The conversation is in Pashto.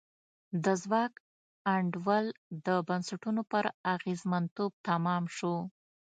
د ځواک انډول د بنسټونو پر اغېزمنتوب تمام شو.